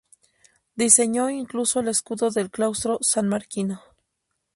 Diseñó incluso el escudo del claustro sanmarquino.